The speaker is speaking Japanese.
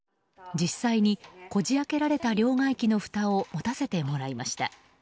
実際にこじ開けられた両替機のふたを持たせてもらいました。